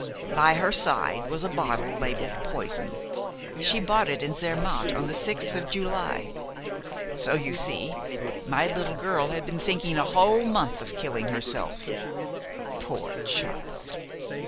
By her side was a bottle labeled 'Poison.' She bought it in Zermatt on the sixth of July. So, you see, my little girl had been thinking a whole month of killing herself. Poor child!